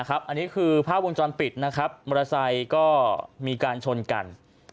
อันนี้คือภาพวงจรปิดนะครับมอเตอร์ไซค์ก็มีการชนกัน